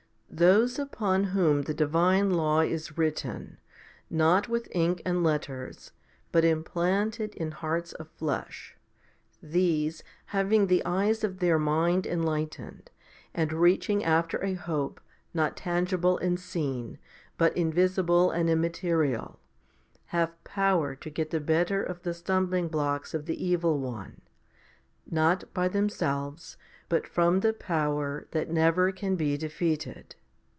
1. Those upon whom the divine law is written, not with ink and letters, but implanted in hearts of flesh, these, having the eyes of their mind enlightened, and reaching after a hope, not tangible and seen, but invisible and immaterial, have power to get the better of the stumbling blocks of the evil one, not by themselves, but from the power that never can be defeated.